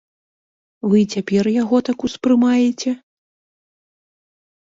Вы і цяпер яго так успрымаеце?